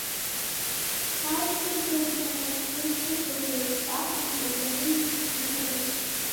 Адгәыр дыцәамызт, изшьапык еиқәԥах иҿаҳәаны иқәын.